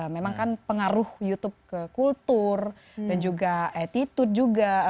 memang kan pengaruh youtube ke kultur dan juga attitude juga